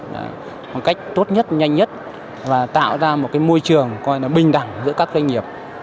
là một cách tốt nhất nhanh nhất và tạo ra một cái môi trường coi là bình đẳng giữa các doanh nghiệp